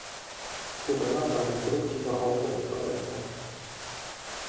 Kurella war ein produktiver Autor und Übersetzer.